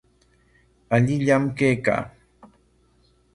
Allillam kaykaa.